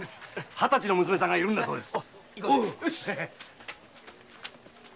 二十歳の娘さんがいるんだそうです。